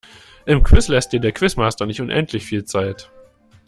Im Quiz lässt dir der Quizmaster nicht unendlich viel Zeit.